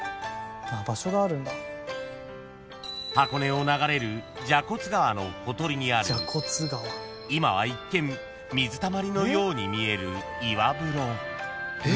［箱根を流れる蛇骨川のほとりにある今は一見水たまりのように見える岩風呂］